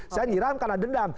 saya nyiram karena dendam